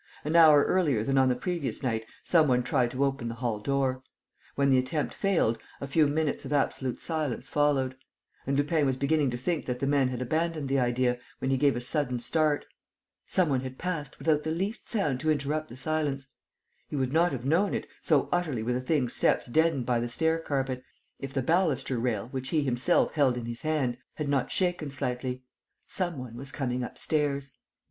An hour earlier than on the previous night some one tried to open the hall door. When the attempt failed, a few minutes of absolute silence followed. And Lupin was beginning to think that the men had abandoned the idea, when he gave a sudden start. Some one had passed, without the least sound to interrupt the silence. He would not have known it, so utterly were the thing's steps deadened by the stair carpet, if the baluster rail, which he himself held in his hand, had not shaken slightly. Some one was coming upstairs.